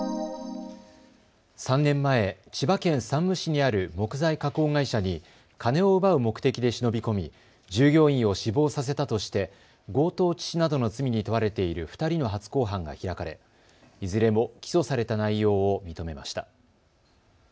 ３年前、千葉県山武市にある木材加工会社に金を奪う目的で忍び込み従業員を死亡させたとして強盗致死などの罪に問われている２人の初公判が開かれいずれも起訴された内容を認めました。